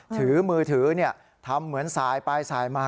ถือมือถือทำเหมือนสายไปสายมา